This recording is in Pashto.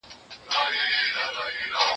كه راتلل به يې دربار ته فريادونه